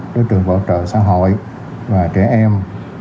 đối trường bảo trợ xã hội và trẻ em